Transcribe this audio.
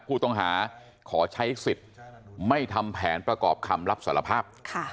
ผู้ต้องหาขอใช้สิทธิ์ไม่ทำแผนประกอบคำรับสารภาพ